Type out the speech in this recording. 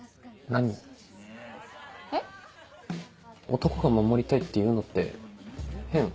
男が「守りたい」って言うのって変？